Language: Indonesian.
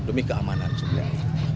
demi keamanan sebenarnya